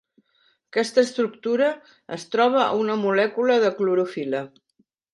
Aquesta estructura es troba a una molècula de clorofil·la.